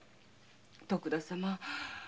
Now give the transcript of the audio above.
徳田様